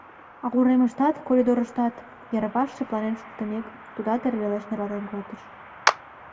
А уремыштат, коридорыштат — йырваш шыпланен шуктымек, тудат эр велеш нералтен колтыш.